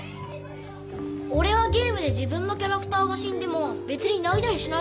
おれはゲームで自分のキャラクターがしんでもべつにないたりしないぜ。なあ？